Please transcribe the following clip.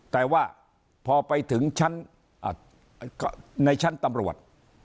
แต่ว่าพอไปถึงชั้นในชั้นตำรวจ